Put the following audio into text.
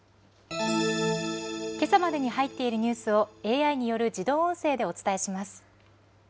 けさまでに入っているニュースをＡＩによる自動音声でお伝えします。